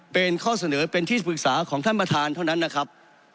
เป็นข้อเสนอเป็นที่ปรึกษาของท่านประธานเท่านั้นนะครับ